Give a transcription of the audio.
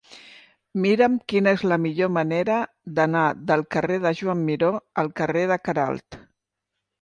Mira'm quina és la millor manera d'anar del carrer de Joan Miró al carrer de Queralt.